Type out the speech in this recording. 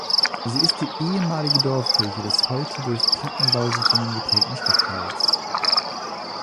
Sie ist die ehemalige Dorfkirche des heute durch Plattenbausiedlungen geprägten Stadtteils.